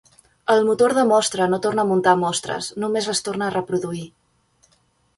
El motor de mostra no torna a muntar mostres, només les torna a reproduir.